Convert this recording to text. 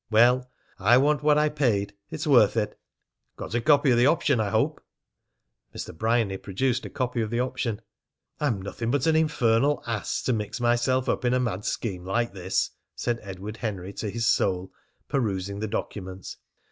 Well, I want what I paid. It's worth it!" "Got a copy of the option, I hope!" Mr. Bryany produced a copy of the option. "I am nothing but an infernal ass to mix myself up in a mad scheme like this," said Edward Henry to his soul, perusing the documents.